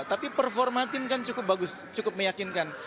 tapi performa tim kan cukup bagus cukup meyakinkan